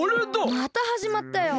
またはじまったよ。